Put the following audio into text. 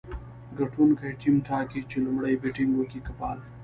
ګټونکی ټیم ټاکي، چي لومړی بېټينګ وکي که بال.